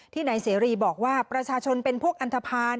นายเสรีบอกว่าประชาชนเป็นพวกอันทภาณ